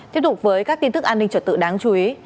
tiếp tục với các tin tức an ninh trật tự đáng chú ý